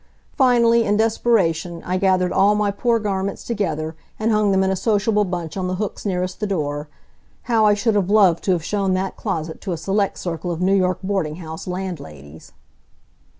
Finally, in desperation, I gathered all my poor garments together and hung them in a sociable bunch on the hooks nearest the door. How I should have loved to have shown that closet to a select circle of New York boarding house landladies!